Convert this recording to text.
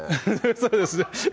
そうですね